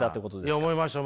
いや思いました